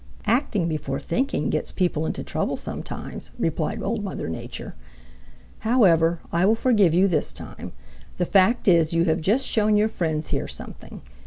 "Acting before thinking gets people into trouble sometimes," replied Old Mother Nature. "However, I will forgive you this time. The fact is you have just shown your friends here something.